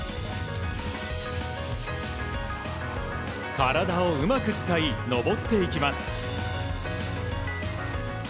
体をうまく使い登っていきます。